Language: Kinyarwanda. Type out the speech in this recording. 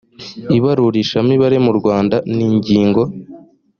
ibarurishamibare mu rwanda n’ingingo